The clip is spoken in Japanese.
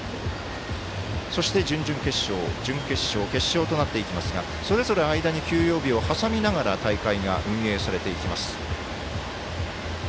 そして、準々決勝準決勝、決勝となっていきますがそれぞれ間に休養日を挟みながら大会が運営されていきます。